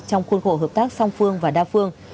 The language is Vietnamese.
trong khuôn khổ hợp tác song phương và đa phương